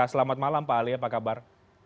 selamat malam pak ali apa kabar